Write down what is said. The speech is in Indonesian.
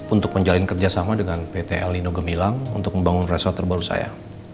untuk menjalin kerjasama dengan pt el nino gemilang untuk membangun resort terbaru saya